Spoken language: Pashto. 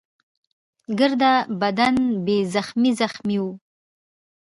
ګرده بدن يې زخمي زخمي وو.